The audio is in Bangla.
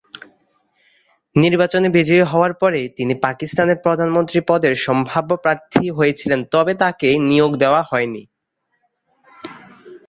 নির্বাচনে বিজয়ী হওয়ার পরে তিনি পাকিস্তানের প্রধানমন্ত্রী পদের সম্ভাব্য প্রার্থী হয়েছিলেন তবে তাকে নিয়োগ দেওয়া হয়নি।